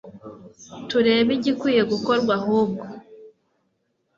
turebe igikwiye gukorwa ahubwo